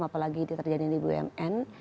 apalagi terjadi di bumn